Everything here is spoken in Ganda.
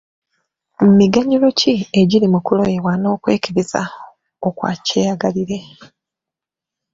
Miganyulo ki egiri mu kulyoyebwa n’okwekebeza okwa kyeyagalire?